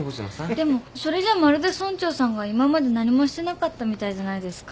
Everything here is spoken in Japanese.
でもそれじゃまるで村長さんが今まで何もしてなかったみたいじゃないですか。